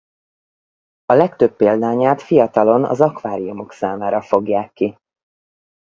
A legtöbb példányát fiatalon az akváriumok számára fogják ki.